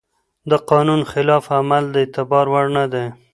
د قانون خلاف عمل د اعتبار وړ نه دی.